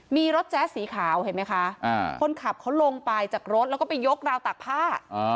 มีรถแจ๊สสีขาวเห็นไหมคะคนขับเขาลงไปจากรถแล้วก็ไปยกราวตากผ้า